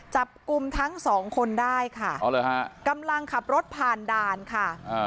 จับกลุ่มทั้งสองคนได้ค่ะอ๋อเหรอฮะกำลังขับรถผ่านด่านค่ะ